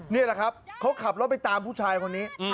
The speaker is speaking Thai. นี่แหละครับเขาขับรถไปตามผู้ชายคนนี้